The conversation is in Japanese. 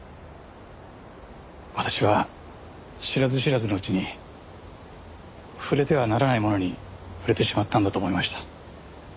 私は知らず知らずのうちに触れてはならないものに触れてしまったんだと思いました。